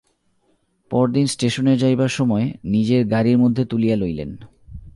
পরদিন স্টেশনে যাইবার সময় নিজের গাড়ির মধ্যে তুলিয়া লইলেন।